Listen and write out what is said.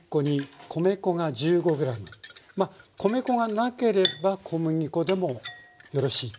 まあ米粉がなければ小麦粉でもよろしいっていう。